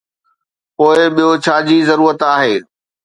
پوء ٻيو ڇا جي ضرورت آهي؟